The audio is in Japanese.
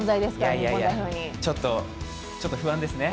いやいや、ちょっと不安ですね。